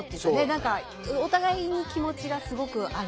何かお互いに気持ちがすごくある。